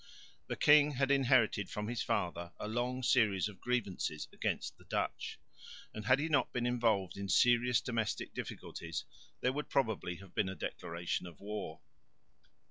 The king had inherited from his father a long series of grievances against the Dutch; and, had he not been involved in serious domestic difficulties, there would probably have been a declaration of war.